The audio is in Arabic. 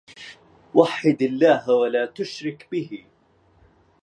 وحد الله ولا تشرك به